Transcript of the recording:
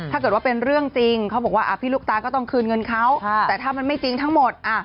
ถ้าเกิดว่าเป็นเรื่องจริงเขาบอกว่าพี่ลูกตาก็ต้องคืนเงินเขาแต่ถ้ามันไม่จริงทั้งหมด